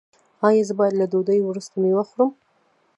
ایا زه باید له ډوډۍ وروسته میوه وخورم؟